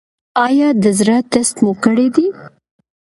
ایا د زړه ټسټ مو کړی دی؟